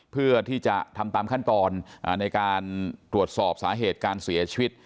เพื่อที่จะทำตามขั้นตอนในการตรวจสอบสาเหตุการเสียชีวิต